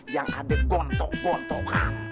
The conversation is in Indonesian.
yang ada gontok gontokan